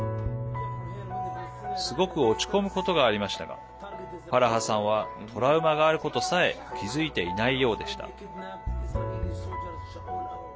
すごく落ち込むことがありましたがファラハさんはトラウマがあることさえ気付いていないようでした。